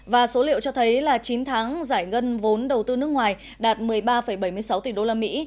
và số liệu cho thấy là chín tháng giải ngân vốn đầu tư nước ngoài đạt một mươi ba bảy mươi sáu tỷ đô la mỹ